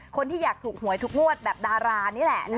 คนที่อยากถูกหวยทุกงวดแบบดารานี่แหละ